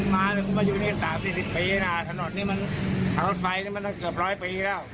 มาอยู่นี่๓๐๔๐ปีถนนรถไฟเกือบ๑๐๐ปีแล้ว